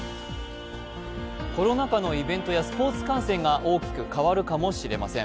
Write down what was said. コロナ禍のイベントやスポーツ観戦が大きく変わるかもしれません。